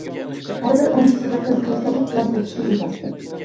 ھەر بىر ئوڭۇشسىزلىقتىن قەيسەرلىك بىلەن ئۆتۈشنى ئۆگەن.